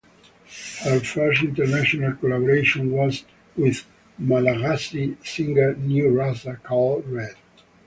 Her first international collaboration was with Malagasy singer Niu Raza called ‘Red’.